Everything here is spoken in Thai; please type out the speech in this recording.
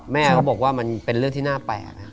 แม่เขาบอกว่ามันเป็นเรื่องที่น่าแปลกนะ